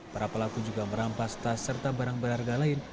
para pelaku juga merampas tas serta barang berharga lain